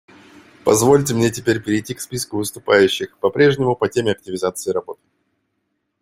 Позвольте мне теперь перейти к списку выступающих — по-прежнему по теме активизации работы.